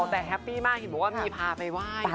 แต่แฮปปี้มากหินว่าพี่พาไปว่าย